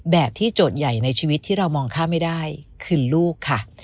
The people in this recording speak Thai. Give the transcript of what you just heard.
แบบที่โจทย์ใหญ่ในชีวิตที่เรามองข้ามไม่ได้คือลูกค่ะ